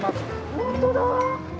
本当だ。